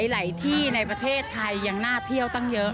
หลายที่ในประเทศไทยยังน่าเที่ยวตั้งเยอะ